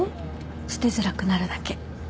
捨てづらくなるだけ。